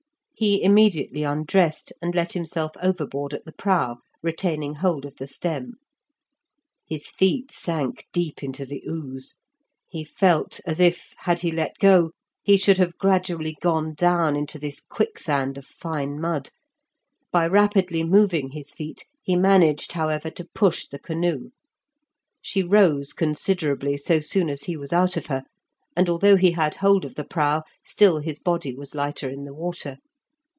He immediately undressed, and let himself overboard at the prow, retaining hold of the stem. His feet sank deep into the ooze; he felt as if, had he let go, he should have gradually gone down into this quicksand of fine mud. By rapidly moving his feet he managed, however, to push the canoe; she rose considerably so soon as he was out of her, and, although he had hold of the prow, still his body was lighter in the water.